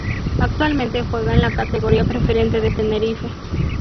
Actualmente juega en la categoría Preferente de Tenerife.